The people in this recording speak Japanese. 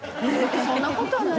そんな事はない。